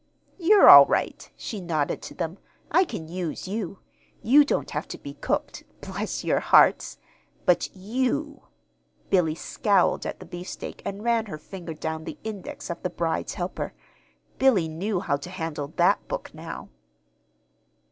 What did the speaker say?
"You're all right," she nodded to them. "I can use you. You don't have to be cooked, bless your hearts! But you !" Billy scowled at the beefsteak and ran her finger down the index of the "Bride's Helper" Billy knew how to handle that book now.